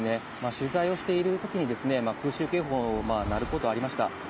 取材をしているときに、空襲警報、鳴ることありました。